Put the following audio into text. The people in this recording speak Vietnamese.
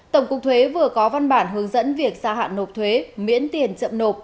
tổng cục thuế vừa có văn bản hướng dẫn việc gia hạn nộp thuế miễn tiền chậm nộp